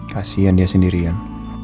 kasian dia sendirian